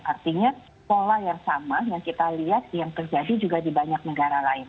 artinya pola yang sama yang kita lihat yang terjadi juga di banyak negara lain